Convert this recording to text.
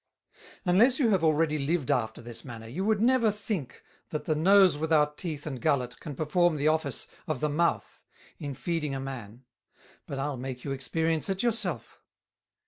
"Unless you have already lived after this manner, you would never think, that the Nose without Teeth and Gullet can perform the office of the Mouth in feeding a Man; but I'll make you experience it your self."